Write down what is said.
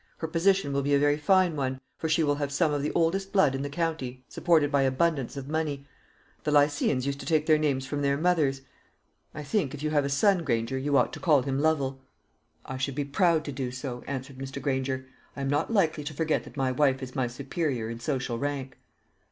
Her position will be a very fine one; for she will have some of the oldest blood in the county, supported by abundance of money. The Lycians used to take their names from their mothers. I think, if you have a son. Granger, you ought to call him Lovel." "I should be proud to do so," answered Mr. Granger. "I am not likely to forget that my wife is my superior in social rank."